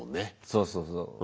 そうそうそう。